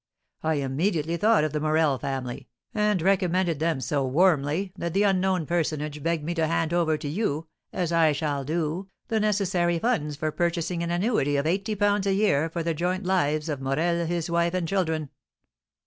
I immediately thought of the Morel family, and recommended them so warmly that the unknown personage begged me to hand over to you (as I shall do) the necessary funds for purchasing an annuity of eighty pounds a year for the joint lives of Morel, his wife, and children."